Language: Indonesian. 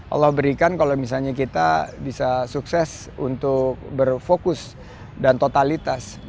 allah berikan kalau misalnya kita bisa sukses untuk berfokus dan totalitas